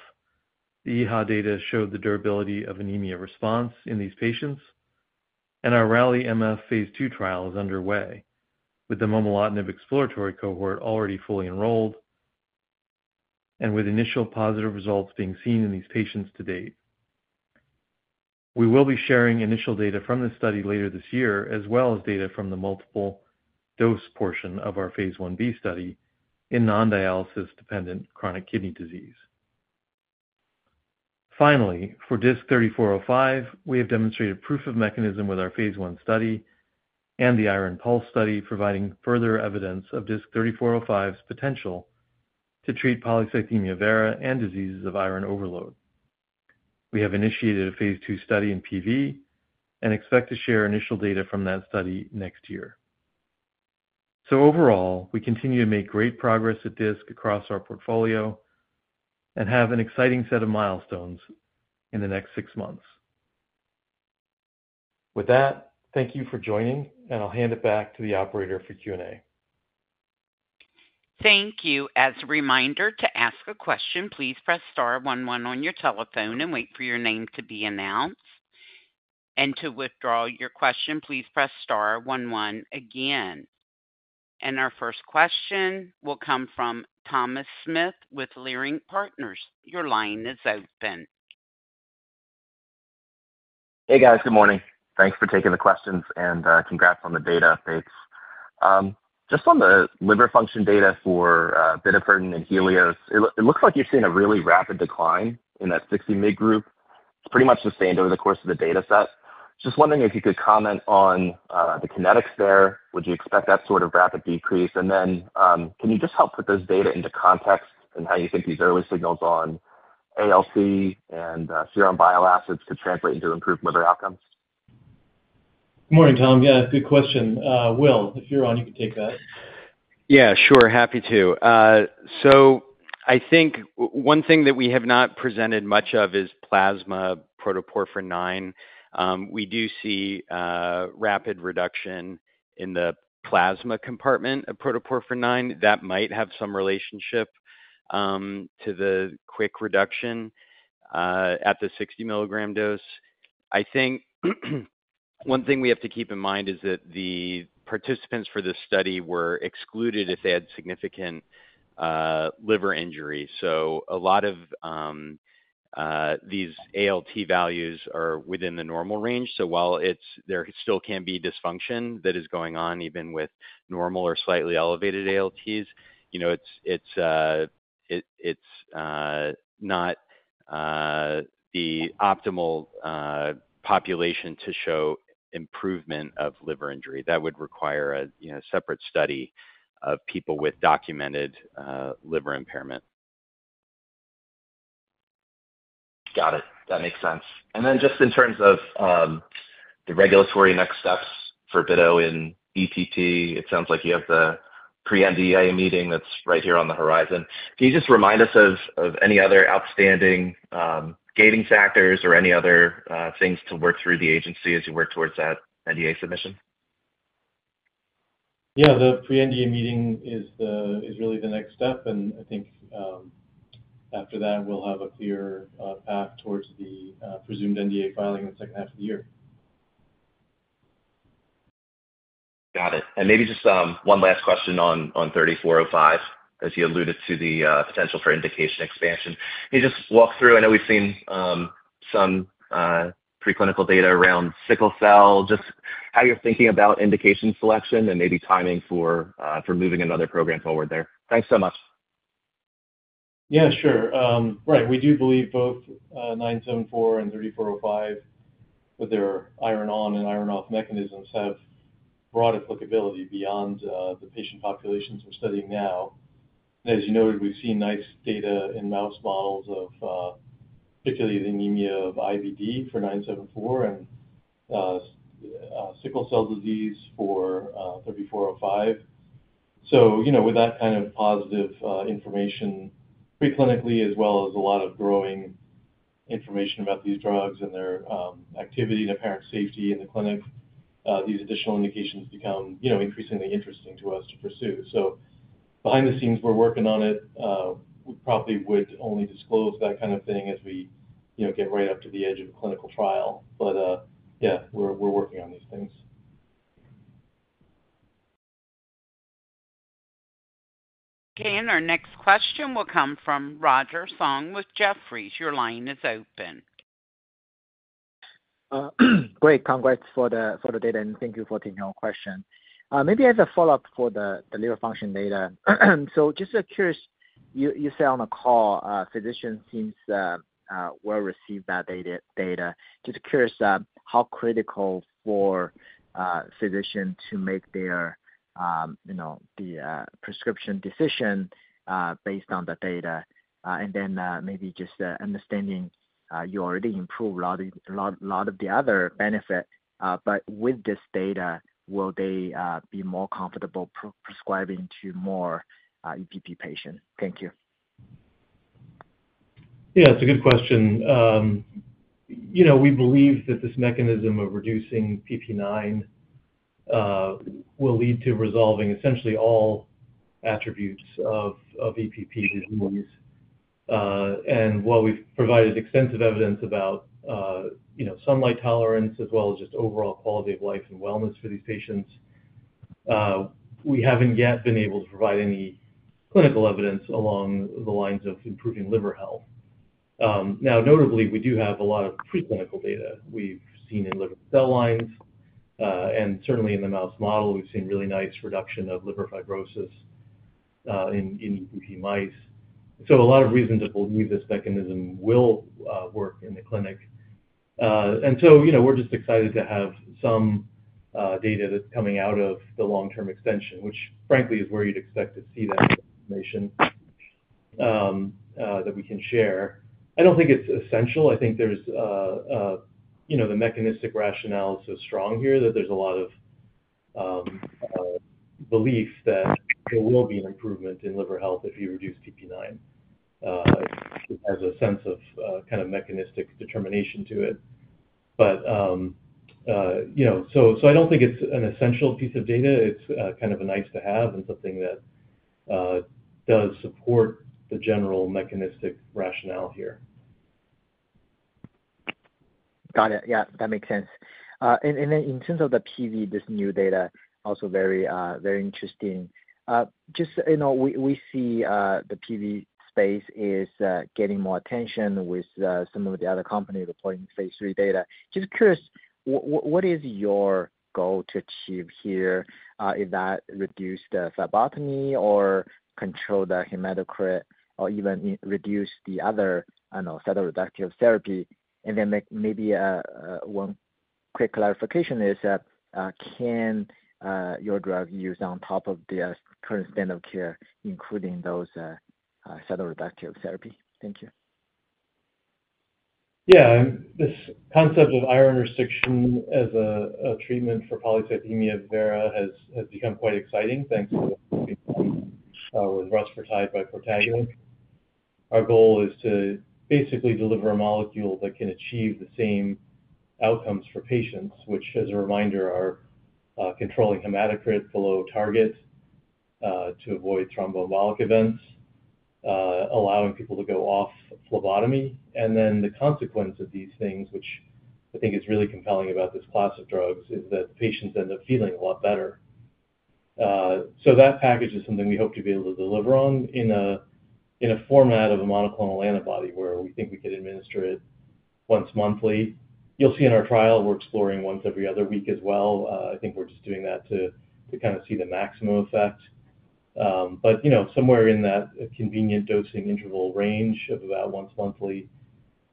The EHA data showed the durability of anemia response in these patients, and our RALI-MF phase 2 trial is underway, with the momelotinib exploratory cohort already fully enrolled and with initial positive results being seen in these patients to date. We will be sharing initial data from this study later this year, as well as data from the multiple dose portion of our phase 1b study in non-dialysis dependent chronic kidney disease. Finally, for DISC-3405, we have demonstrated proof of mechanism with our phase 1 study and the iron pulse study, providing further evidence of DISC-3405's potential to treat polycythemia vera and diseases of iron overload. We have initiated a phase 2 study in PV and expect to share initial data from that study next year. Overall, we continue to make great progress at Disc Medicine across our portfolio and have an exciting set of milestones in the next six months. With that, thank you for joining, and I'll hand it back to the operator for Q&A. Thank you. As a reminder to ask a question, please press star 11 on your telephone and wait for your name to be announced. To withdraw your question, please press star 11 again. Our first question will come from Thomas Smith with Leerink Partners. Your line is open. Hey, guys. Good morning. Thanks for taking the questions, and congrats on the data updates. Just on the liver function data for bitopertin and Helios, it looks like you're seeing a really rapid decline in that 60 mg group. It's pretty much sustained over the course of the data set. Just wondering if you could comment on the kinetics there. Would you expect that sort of rapid decrease? Can you just help put those data into context and how you think these early signals on ALT and serum bile acids could translate into improved liver outcomes? Good morning, Tom. Yeah, good question. Will, if you're on, you can take that. Yeah, sure. Happy to. I think one thing that we have not presented much of is plasma protoporphyrin IX. We do see rapid reduction in the plasma compartment of protoporphyrin IX. That might have some relationship to the quick reduction at the 60 mg dose. I think one thing we have to keep in mind is that the participants for this study were excluded if they had significant liver injury. A lot of these ALT values are within the normal range. While there still can be dysfunction that is going on even with normal or slightly elevated ALTs, it is not the optimal population to show improvement of liver injury. That would require a separate study of people with documented liver impairment. Got it. That makes sense. And then just in terms of the regulatory next steps for bitopertin in EPP, it sounds like you have the pre-NDA meeting that's right here on the horizon. Can you just remind us of any other outstanding gating factors or any other things to work through the agency as you work towards that NDA submission? Yeah, the pre-NDA meeting is really the next step. I think after that, we'll have a clear path towards the presumed NDA filing in the second half of the year. Got it. Maybe just one last question on 3405, as you alluded to the potential for indication expansion. Can you just walk through? I know we've seen some preclinical data around sickle cell, just how you're thinking about indication selection and maybe timing for moving another program forward there. Thanks so much. Yeah, sure. Right. We do believe both 974 and 3405, with their iron-on and iron-off mechanisms, have broad applicability beyond the patient populations we're studying now. As you noted, we've seen nice data in mouse models of particularly the anemia of IBD for 974 and sickle cell disease for 3405. With that kind of positive information preclinically, as well as a lot of growing information about these drugs and their activity and apparent safety in the clinic, these additional indications become increasingly interesting to us to pursue. Behind the scenes, we're working on it. We probably would only disclose that kind of thing as we get right up to the edge of a clinical trial. Yeah, we're working on these things. Okay. Our next question will come from Roger Song with Jefferies. Your line is open. Great. Congrats for the data, and thank you for taking our question. Maybe as a follow-up for the liver function data, just curious, you said on the call physicians seem well-received that data. Just curious how critical for physicians to make their prescription decision based on the data. Maybe just understanding you already improved a lot of the other benefits. With this data, will they be more comfortable prescribing to more EPP patients? Thank you. Yeah, it's a good question. We believe that this mechanism of reducing PP9 will lead to resolving essentially all attributes of EPP disease. While we've provided extensive evidence about sunlight tolerance as well as just overall quality of life and wellness for these patients, we haven't yet been able to provide any clinical evidence along the lines of improving liver health. Now, notably, we do have a lot of preclinical data we've seen in liver cell lines. Certainly in the mouse model, we've seen really nice reduction of liver fibrosis in EPP mice. A lot of reasons to believe this mechanism will work in the clinic. We're just excited to have some data that's coming out of the long-term extension, which frankly is where you'd expect to see that information that we can share. I don't think it's essential. I think there's the mechanistic rationale is so strong here that there's a lot of belief that there will be an improvement in liver health if you reduce PP9. It has a sense of kind of mechanistic determination to it. I don't think it's an essential piece of data. It's kind of a nice-to-have and something that does support the general mechanistic rationale here. Got it. Yeah, that makes sense. In terms of the PV, this new data, also very interesting. We see the PV space is getting more attention with some of the other companies reporting phase 3 data. Just curious, what is your goal to achieve here? Is that reduce the phlebotomy or control the hematocrit or even reduce the other cytoreductive therapy? Maybe one quick clarification is, can your drug be used on top of the current standard of care, including those cytoreductive therapies? Thank you. Yeah. This concept of iron restriction as a treatment for polycythemia vera has become quite exciting thanks to what's been done with rusfertide by Protagonist. Our goal is to basically deliver a molecule that can achieve the same outcomes for patients, which, as a reminder, are controlling hematocrit below target to avoid thromboembolic events, allowing people to go off phlebotomy. The consequence of these things, which I think is really compelling about this class of drugs, is that patients end up feeling a lot better. That package is something we hope to be able to deliver on in a format of a monoclonal antibody where we think we can administer it once monthly. You'll see in our trial, we're exploring once every other week as well. I think we're just doing that to kind of see the maximum effect. Somewhere in that convenient dosing interval range of about once monthly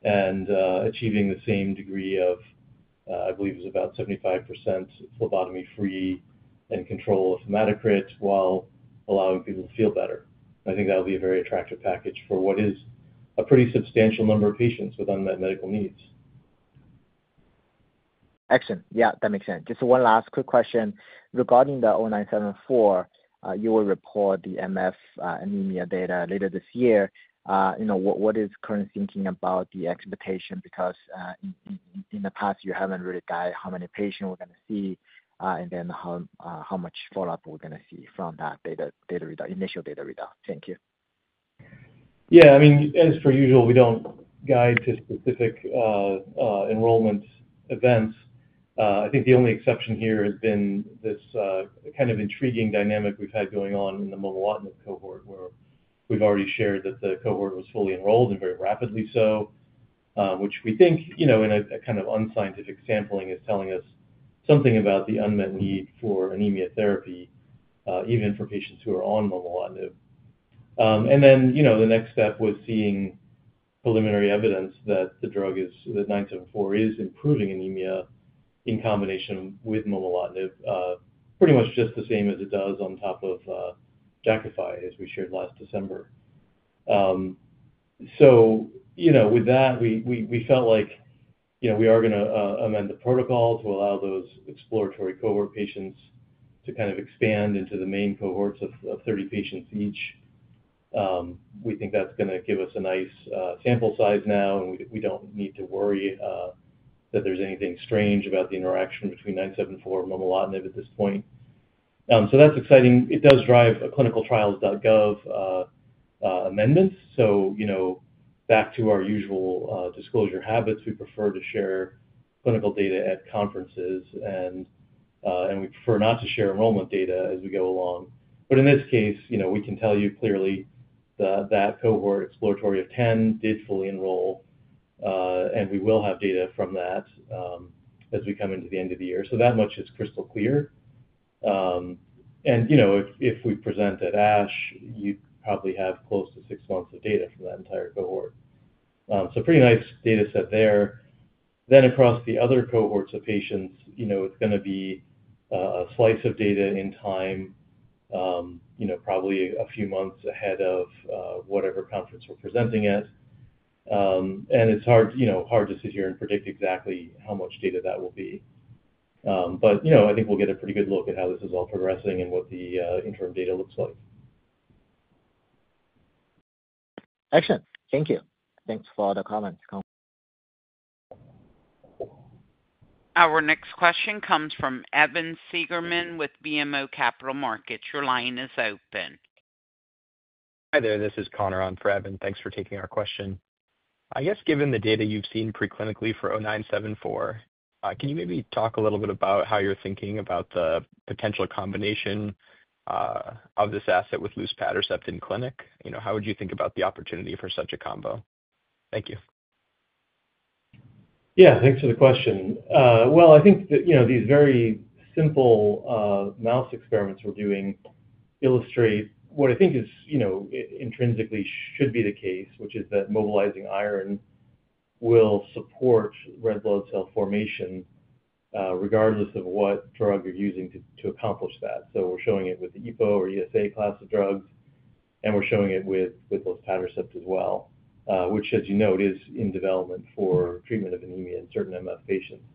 and achieving the same degree of, I believe, it was about 75% phlebotomy-free and control of hematocrit while allowing people to feel better. I think that would be a very attractive package for what is a pretty substantial number of patients with unmet medical needs. Excellent. Yeah, that makes sense. Just one last quick question. Regarding the 0974, you will report the MF anemia data later this year. What is current thinking about the expectation? Because in the past, you haven't really guided how many patients we're going to see and then how much follow-up we're going to see from that initial data result. Thank you. Yeah. I mean, as per usual, we don't guide to specific enrollment events. I think the only exception here has been this kind of intriguing dynamic we've had going on in the momelotinib cohort, where we've already shared that the cohort was fully enrolled and very rapidly so, which we think in a kind of unscientific sampling is telling us something about the unmet need for anemia therapy, even for patients who are on momelotinib. The next step was seeing preliminary evidence that the drug, the 974, is improving anemia in combination with momelotinib, pretty much just the same as it does on top of Jakafi, as we shared last December. With that, we felt like we are going to amend the protocol to allow those exploratory cohort patients to kind of expand into the main cohorts of 30 patients each. We think that's going to give us a nice sample size now, and we don't need to worry that there's anything strange about the interaction between 974 and momelotinib at this point. That is exciting. It does drive clinicaltrials.gov amendments. Back to our usual disclosure habits, we prefer to share clinical data at conferences, and we prefer not to share enrollment data as we go along. In this case, we can tell you clearly that cohort exploratory of 10 did fully enroll, and we will have data from that as we come into the end of the year. That much is crystal clear. If we present at ASH, you probably have close to six months of data from that entire cohort. Pretty nice data set there. Across the other cohorts of patients, it's going to be a slice of data in time, probably a few months ahead of whatever conference we're presenting at. It's hard to sit here and predict exactly how much data that will be. I think we'll get a pretty good look at how this is all progressing and what the interim data looks like. Excellent. Thank you. Thanks for the comments. Our next question comes from Evan Seigerman with BMO Capital Markets. Your line is open. Hi there. This is Connor on for Evan. Thanks for taking our question. I guess given the data you've seen preclinically for 0974, can you maybe talk a little bit about how you're thinking about the potential combination of this asset with luspatercept in clinic? How would you think about the opportunity for such a combo? Thank you. Yeah. Thanks for the question. I think these very simple mouse experiments we're doing illustrate what I think intrinsically should be the case, which is that mobilizing iron will support red blood cell formation regardless of what drug you're using to accomplish that. We're showing it with the EPO or ESA class of drugs, and we're showing it with luspatercept as well, which, as you know, is in development for treatment of anemia in certain MF patients.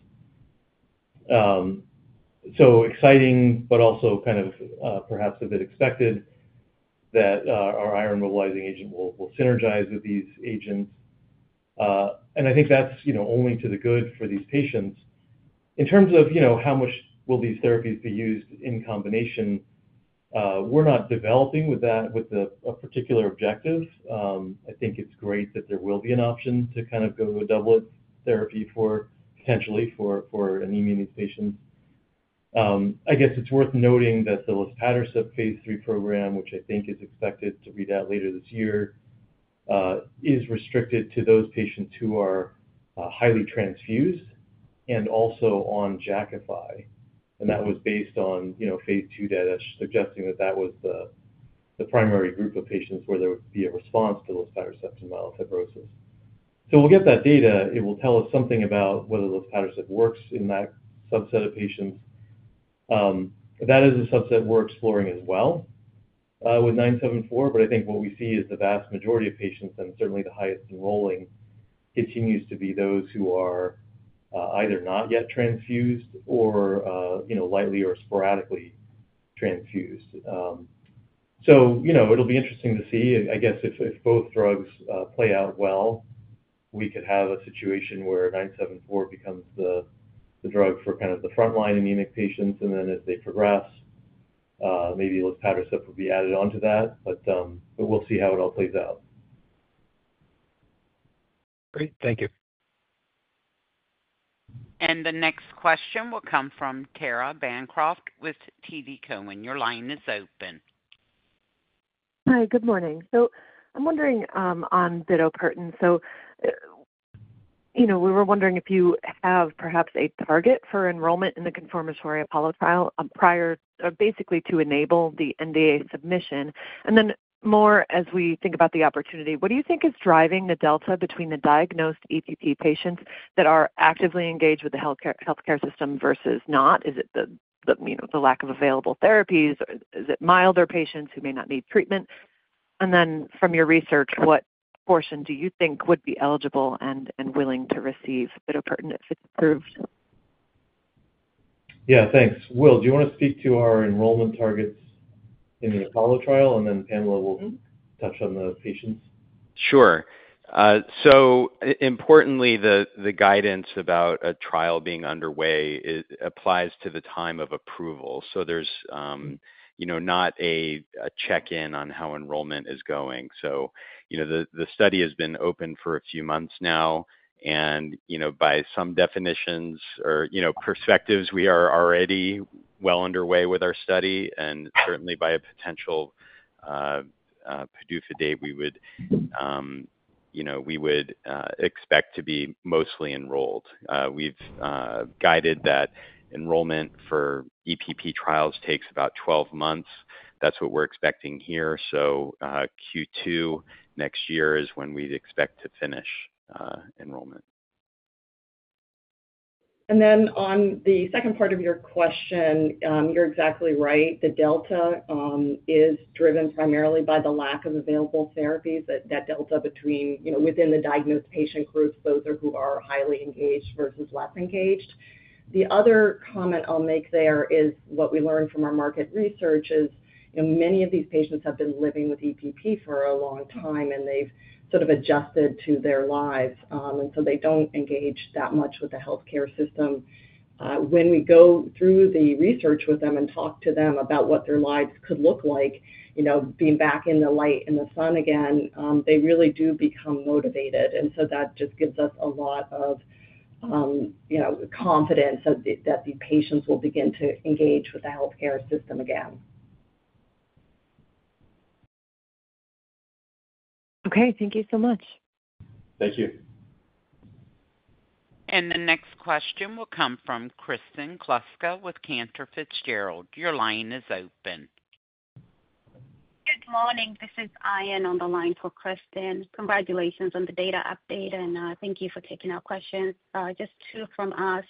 Exciting, but also kind of perhaps a bit expected that our iron mobilizing agent will synergize with these agents. I think that's only to the good for these patients. In terms of how much will these therapies be used in combination, we're not developing with that with a particular objective. I think it's great that there will be an option to kind of go to a doublet therapy potentially for anemia in these patients. I guess it's worth noting that the luspatercept phase 3 program, which I think is expected to read out later this year, is restricted to those patients who are highly transfused and also on Jakafi. That was based on phase 2 data, suggesting that that was the primary group of patients where there would be a response to luspatercept in myelofibrosis. We'll get that data. It will tell us something about whether luspatercept works in that subset of patients. That is a subset we're exploring as well with 974. I think what we see is the vast majority of patients, and certainly the highest enrolling, continues to be those who are either not yet transfused or lightly or sporadically transfused. It will be interesting to see. I guess if both drugs play out well, we could have a situation where 974 becomes the drug for kind of the frontline anemic patients. As they progress, maybe luspatercept would be added onto that. We will see how it all plays out. Great. Thank you. The next question will come from Cara Bancroft with TD Cowen. Your line is open. Hi. Good morning. I'm wondering on bitopertin. We were wondering if you have perhaps a target for enrollment in the confirmatory Apollo trial prior basically to enable the NDA submission. More as we think about the opportunity, what do you think is driving the delta between the diagnosed EPP patients that are actively engaged with the healthcare system versus not? Is it the lack of available therapies? Is it milder patients who may not need treatment? From your research, what portion do you think would be eligible and willing to receive bitopertin if it's approved? Yeah. Thanks. Will, do you want to speak to our enrollment targets in the Apollo trial? Pamela will touch on the patients. Sure. Importantly, the guidance about a trial being underway applies to the time of approval. There is not a check-in on how enrollment is going. The study has been open for a few months now. By some definitions or perspectives, we are already well underway with our study. Certainly by a potential PDUFA date, we would expect to be mostly enrolled. We have guided that enrollment for EPP trials takes about 12 months. That is what we are expecting here. Q2 next year is when we expect to finish enrollment. On the second part of your question, you're exactly right. The delta is driven primarily by the lack of available therapies. That delta between within the diagnosed patient groups, those who are highly engaged versus less engaged. The other comment I'll make there is what we learned from our market research is many of these patients have been living with EPP for a long time, and they've sort of adjusted to their lives. They don't engage that much with the healthcare system. When we go through the research with them and talk to them about what their lives could look like, being back in the light and the sun again, they really do become motivated. That just gives us a lot of confidence that these patients will begin to engage with the healthcare system again. Okay. Thank you so much. Thank you. The next question will come from Kristen Kloska with Cantor Fitzgerald. Your line is open. Good morning. This is Ayan on the line for Kristen. Congratulations on the data update. Thank you for taking our questions. Just two from us.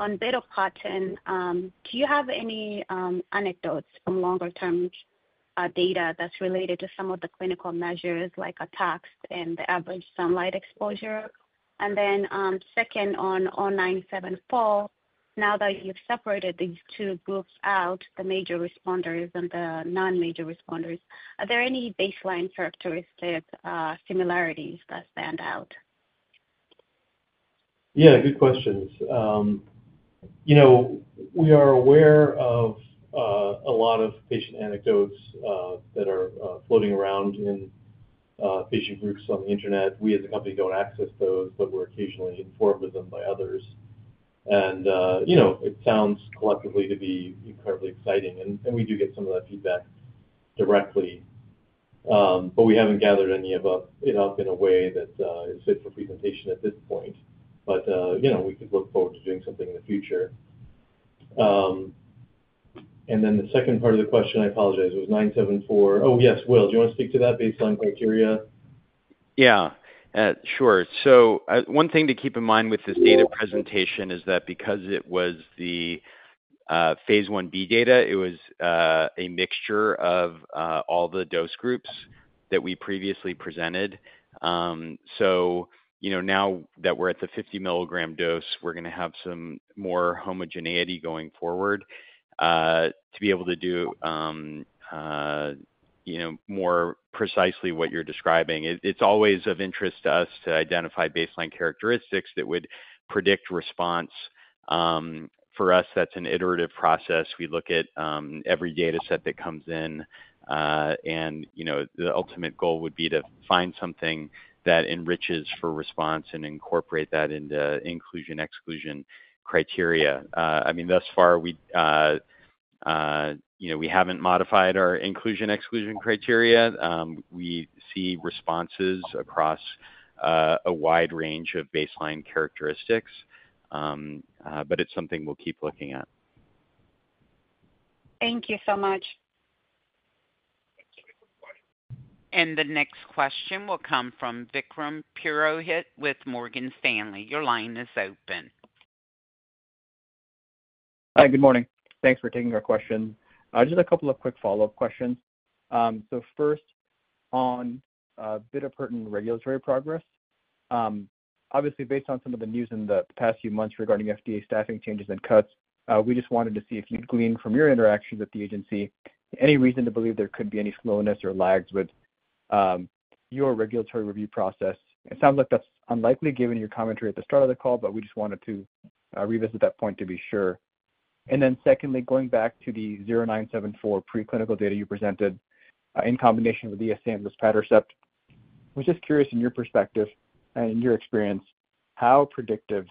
On bitopertin, do you have any anecdotes from longer-term data that's related to some of the clinical measures like ALT and the average sunlight exposure? Second, on 0974, now that you've separated these two groups out, the major responders and the non-major responders, are there any baseline characteristic similarities that stand out? Yeah. Good questions. We are aware of a lot of patient anecdotes that are floating around in patient groups on the internet. We as a company do not access those, but we are occasionally informed of them by others. It sounds collectively to be incredibly exciting. We do get some of that feedback directly. We have not gathered any of it up in a way that is fit for presentation at this point. We could look forward to doing something in the future. The second part of the question, I apologize, was 974. Oh, yes. Will, do you want to speak to that baseline criteria? Yeah. Sure. One thing to keep in mind with this data presentation is that because it was the phase 1b data, it was a mixture of all the dose groups that we previously presented. Now that we're at the 50 milligram dose, we're going to have some more homogeneity going forward to be able to do more precisely what you're describing. It's always of interest to us to identify baseline characteristics that would predict response. For us, that's an iterative process. We look at every data set that comes in. The ultimate goal would be to find something that enriches for response and incorporate that into inclusion/exclusion criteria. I mean, thus far, we haven't modified our inclusion/exclusion criteria. We see responses across a wide range of baseline characteristics. It's something we'll keep looking at. Thank you so much. The next question will come from Vikram Purohit with Morgan Stanley. Your line is open. Hi. Good morning. Thanks for taking our question. Just a couple of quick follow-up questions. First, on bitopertin regulatory progress, obviously, based on some of the news in the past few months regarding FDA staffing changes and cuts, we just wanted to see if you'd glean from your interactions at the agency any reason to believe there could be any slowness or lags with your regulatory review process. It sounds like that's unlikely given your commentary at the start of the call, but we just wanted to revisit that point to be sure. Secondly, going back to the 0974 preclinical data you presented in combination with the ESA and luspatercept, we're just curious in your perspective and in your experience how predictive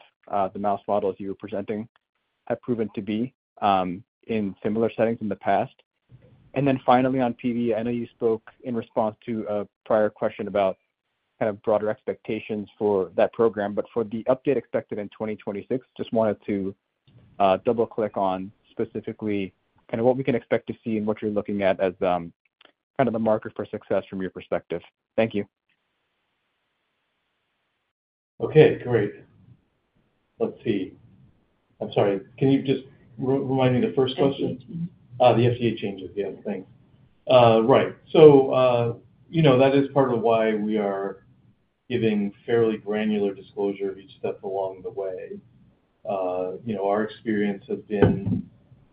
the mouse models you were presenting have proven to be in similar settings in the past. Finally, on PD, I know you spoke in response to a prior question about kind of broader expectations for that program. For the update expected in 2026, just wanted to double-click on specifically kind of what we can expect to see and what you're looking at as kind of the marker for success from your perspective. Thank you. Okay. Great. Let's see. I'm sorry. Can you just remind me the first question? The FDA changes. Yeah. Thanks. Right. That is part of why we are giving fairly granular disclosure of each step along the way. Our experience has been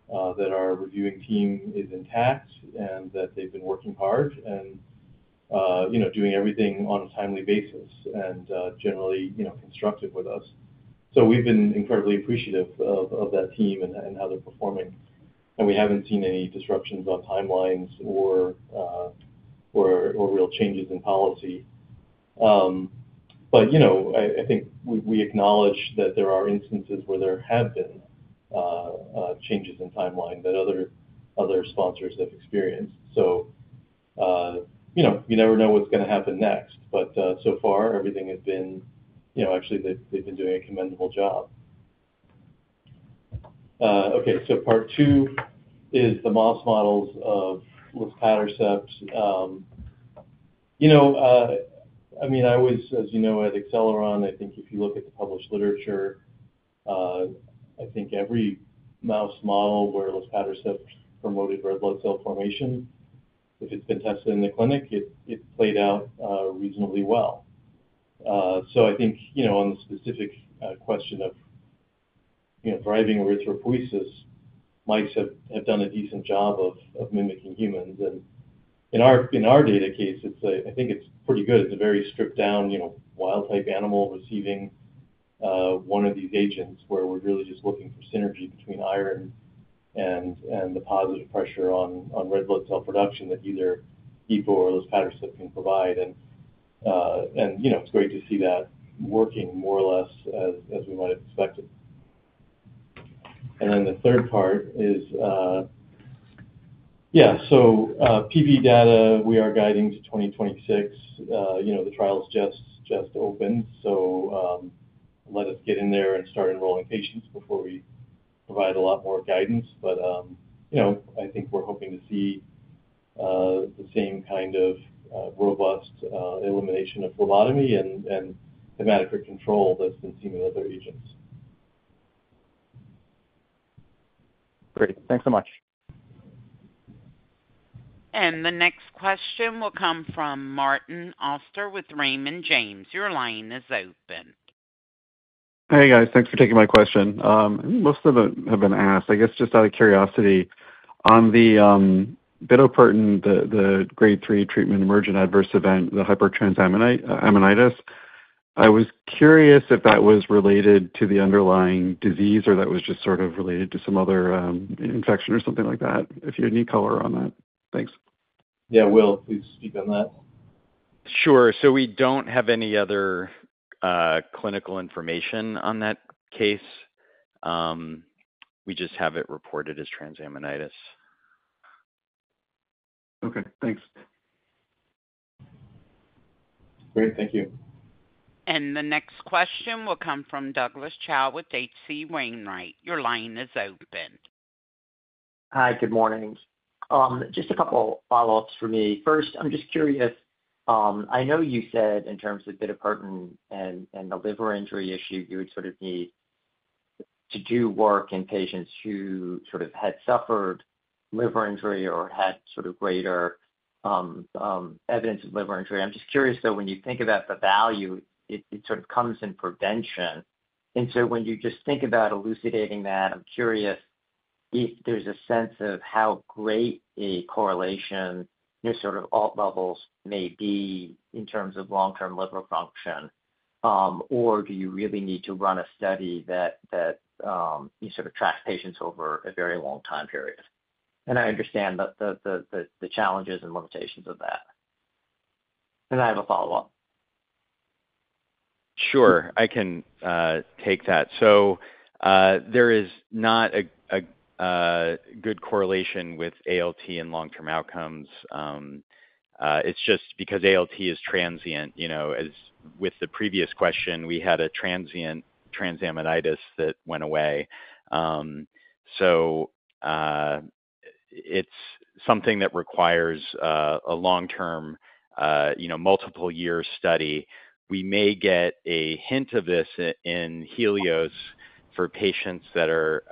that our reviewing team is intact and that they've been working hard and doing everything on a timely basis and generally constructive with us. We've been incredibly appreciative of that team and how they're performing. We haven't seen any disruptions on timelines or real changes in policy. I think we acknowledge that there are instances where there have been changes in timeline that other sponsors have experienced. You never know what's going to happen next. So far, everything has been actually, they've been doing a commendable job. Okay. Part two is the mouse models of luspatercept. I mean, I was, as you know, at Acceleron. I think if you look at the published literature, I think every mouse model where luspatercept promoted red blood cell formation, if it's been tested in the clinic, it played out reasonably well. I think on the specific question of driving erythropoiesis, mice have done a decent job of mimicking humans. And in our data case, I think it's pretty good. It's a very stripped-down wild-type animal receiving one of these agents where we're really just looking for synergy between iron and the positive pressure on red blood cell production that either EPO or luspatercept can provide. It's great to see that working more or less as we might have expected. The third part is, yeah. PD data, we are guiding to 2026. The trial's just opened. Let us get in there and start enrolling patients before we provide a lot more guidance. I think we're hoping to see the same kind of robust elimination of phlebotomy and hematocrit control that's been seen with other agents. Great. Thanks so much. The next question will come from Martin Oster with Raymond James. Your line is open. Hey, guys. Thanks for taking my question. I think most of them have been asked. I guess just out of curiosity, on the bitopertin, the Grade 3 treatment emergent adverse event, the hypertransaminitis, I was curious if that was related to the underlying disease or that was just sort of related to some other infection or something like that, if you had any color on that. Thanks. Yeah. Will, please speak on that. Sure. We don't have any other clinical information on that case. We just have it reported as transaminitis. Okay. Thanks. Great. Thank you. The next question will come from Douglas Chow with DC Wainwright. Your line is open. Hi. Good morning. Just a couple of follow-ups for me. First, I'm just curious. I know you said in terms of bitopertin and the liver injury issue, you would sort of need to do work in patients who sort of had suffered liver injury or had sort of greater evidence of liver injury. I'm just curious, though, when you think about the value, it sort of comes in prevention. When you just think about elucidating that, I'm curious if there's a sense of how great a correlation sort of ALT levels may be in terms of long-term liver function. Or do you really need to run a study that you sort of track patients over a very long time period? I understand the challenges and limitations of that. I have a follow-up. Sure. I can take that. There is not a good correlation with ALT and long-term outcomes. It's just because ALT is transient. With the previous question, we had a transient transaminitis that went away. It's something that requires a long-term, multiple-year study. We may get a hint of this in Helios for patients that are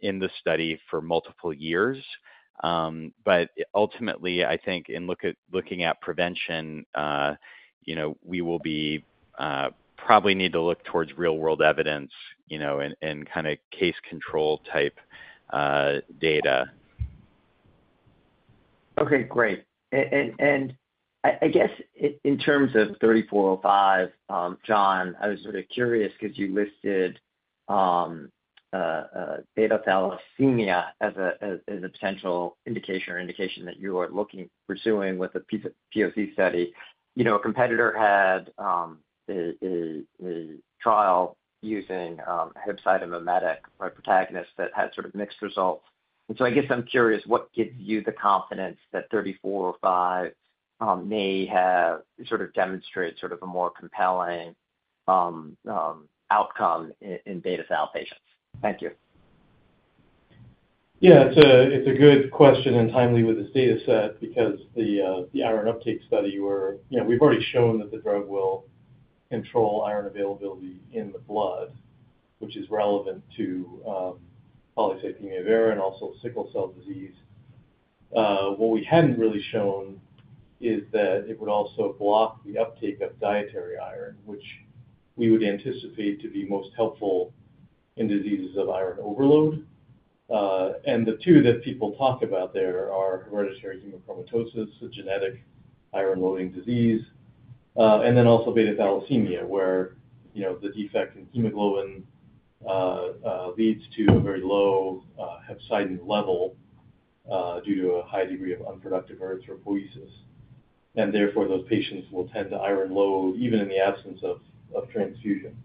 in the study for multiple years. Ultimately, I think in looking at prevention, we will probably need to look towards real-world evidence and kind of case control type data. Okay. Great. I guess in terms of 3405, John, I was sort of curious because you listed beta thalassemia as a potential indication or indication that you are looking pursuing with a POC study. A competitor had a trial using hepcidin mimetic Protagonist that had sort of mixed results. I guess I'm curious what gives you the confidence that 3405 may have sort of demonstrated sort of a more compelling outcome in beta thal patients. Thank you. Yeah. It's a good question and timely with this data set because the iron uptake study where we've already shown that the drug will control iron availability in the blood, which is relevant to polycythemia vera and also sickle cell disease. What we hadn't really shown is that it would also block the uptake of dietary iron, which we would anticipate to be most helpful in diseases of iron overload. The two that people talk about there are hereditary hemochromatosis, a genetic iron-loading disease, and then also beta thalassemia where the defect in hemoglobin leads to a very low hepcidin level due to a high degree of unproductive erythropoiesis. Therefore, those patients will tend to iron load even in the absence of transfusion.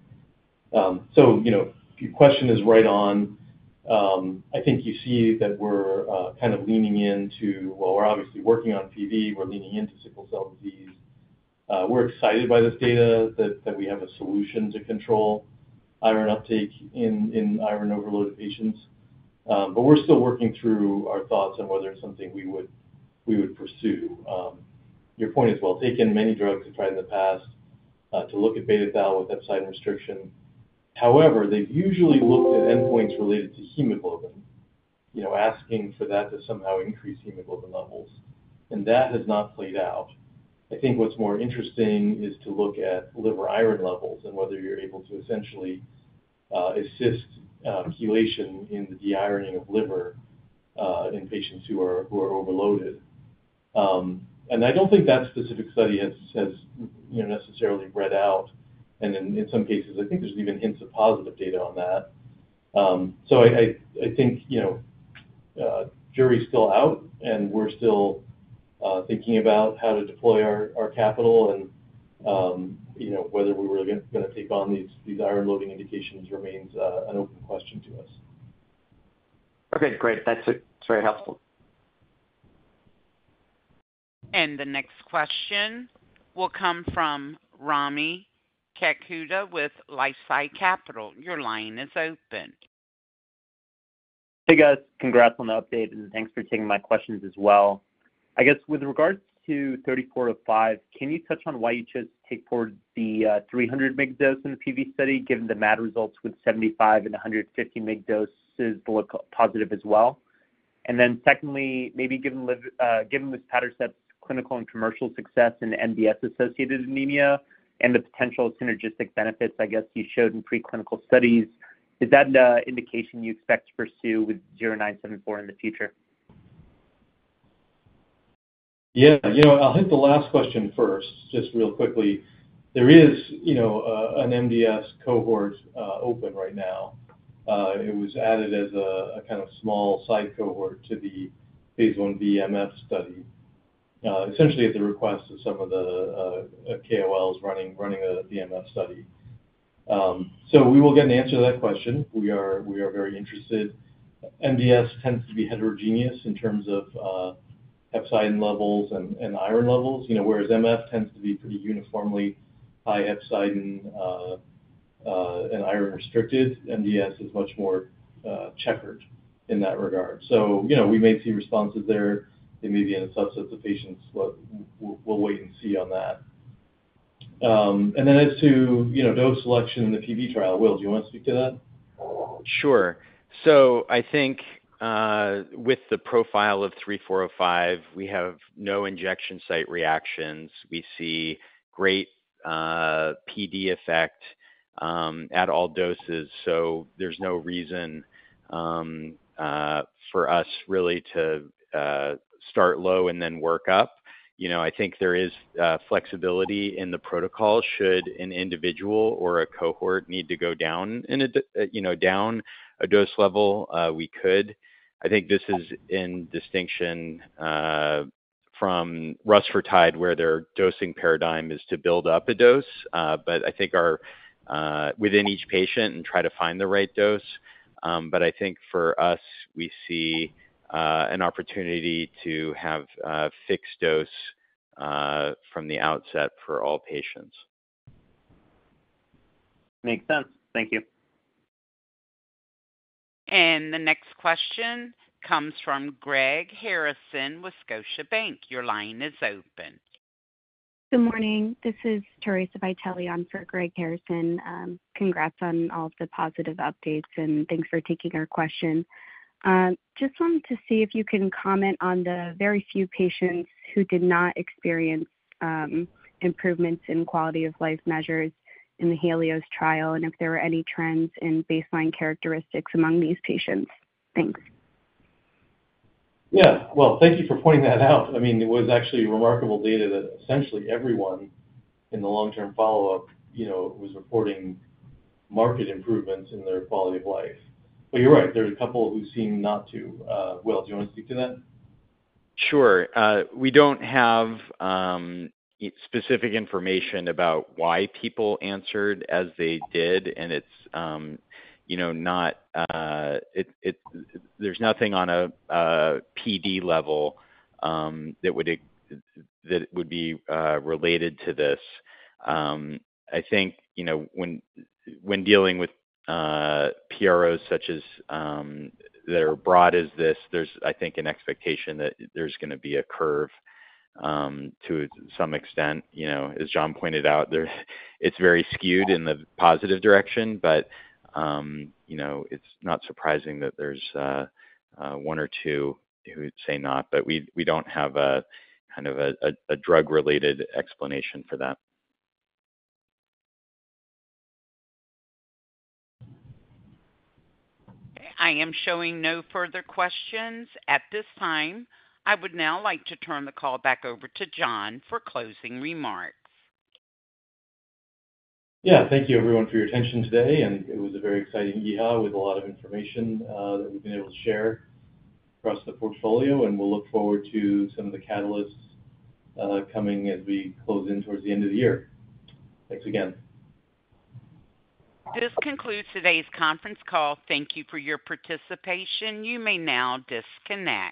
Your question is right on. I think you see that we're kind of leaning into while we're obviously working on PD, we're leaning into sickle cell disease. We're excited by this data that we have a solution to control iron uptake in iron-overloaded patients. We're still working through our thoughts on whether it's something we would pursue. Your point is well taken. Many drugs have tried in the past to look at beta thal with hepcidin restriction. However, they've usually looked at endpoints related to hemoglobin, asking for that to somehow increase hemoglobin levels. That has not played out. I think what's more interesting is to look at liver iron levels and whether you're able to essentially assist chelation in the deironing of liver in patients who are overloaded. I don't think that specific study has necessarily read out. In some cases, I think there's even hints of positive data on that. I think jury's still out. We're still thinking about how to deploy our capital, and whether we're going to take on these iron-loading indications remains an open question to us. Okay. Great. That's very helpful. The next question will come from Rami Kakuda with LifeSci Capital. Your line is open. Hey, guys. Congrats on the update. Thanks for taking my questions as well. I guess with regards to 3405, can you touch on why you chose to take forward the 300 mg dose in the PD study given the MAD results with 75 and 150 mg doses look positive as well? Secondly, maybe given luspatercept's clinical and commercial success in MDS-associated anemia and the potential synergistic benefits, I guess, you showed in preclinical studies, is that an indication you expect to pursue with 0974 in the future? Yeah. I'll hit the last question first, just real quickly. There is an MDS cohort open right now. It was added as a kind of small side cohort to the phase 1B MF study, essentially at the request of some of the KOLs running a DMF study. So we will get an answer to that question. We are very interested. MDS tends to be heterogeneous in terms of hepcidin levels and iron levels. Whereas MF tends to be pretty uniformly high hepcidin and iron-restricted, MDS is much more checkered in that regard. We may see responses there. It may be in a subset of patients. We'll wait and see on that. As to dose selection in the PD trial, Will, do you want to speak to that? Sure. I think with the profile of 3405, we have no injection site reactions. We see great PD effect at all doses. There is no reason for us really to start low and then work up. I think there is flexibility in the protocol. Should an individual or a cohort need to go down a dose level, we could. I think this is in distinction from rusfertide where their dosing paradigm is to build up a dose within each patient and try to find the right dose. I think for us, we see an opportunity to have a fixed dose from the outset for all patients. Makes sense. Thank you. The next question comes from Greg Harrison, William Blair. Your line is open. Good morning. This is Theresa Vitale on for Greg Harrison. Congrats on all of the positive updates. Thanks for taking our question. Just wanted to see if you can comment on the very few patients who did not experience improvements in quality of life measures in the Helios trial and if there were any trends in baseline characteristics among these patients. Thanks. Yeah. Thank you for pointing that out. I mean, it was actually remarkable data that essentially everyone in the long-term follow-up was reporting marked improvements in their quality of life. But you're right. There are a couple who seem not to. Will, do you want to speak to that? Sure. We do not have specific information about why people answered as they did. It is not that there is anything on a PD level that would be related to this. I think when dealing with PROs such as that are broad as this, there is, I think, an expectation that there is going to be a curve to some extent. As John pointed out, it is very skewed in the positive direction. It is not surprising that there is one or two who say not. We do not have kind of a drug-related explanation for that. I am showing no further questions at this time. I would now like to turn the call back over to John for closing remarks. Yeah. Thank you, everyone, for your attention today. It was a very exciting EHA with a lot of information that we've been able to share across the portfolio. We'll look forward to some of the catalysts coming as we close in towards the end of the year. Thanks again. This concludes today's conference call. Thank you for your participation. You may now disconnect.